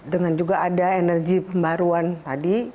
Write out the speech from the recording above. dengan juga ada energi pembaruan tadi